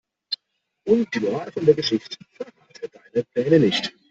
Und die Moral von der Geschicht': Verrate deine Pläne nicht.